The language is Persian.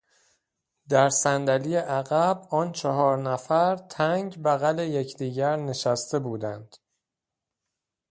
در صندلی عقب آن چهار نفر تنگ بغل یکدیگر نشسته بودند.